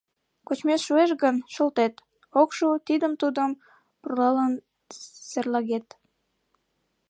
Кочмет шуэш гын, шолтет, ок шу — тидым-тудым пурлалын серлагет.